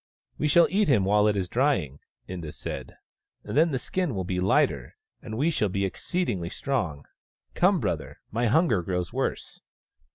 " We shall eat him while it is dr3ang," Inda said. " Then the skin will be lighter, and we shall be exceedingly strong. Come, brother — my hunger grows worse."